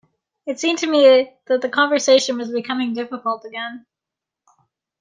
It seemed to me that the conversation was becoming difficult again.